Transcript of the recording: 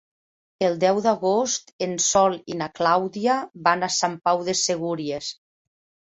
El deu d'agost en Sol i na Clàudia van a Sant Pau de Segúries.